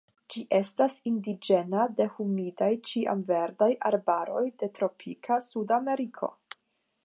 Ĝi estas indiĝena de humidaj ĉiamverdaj arbaroj de tropika Sudameriko.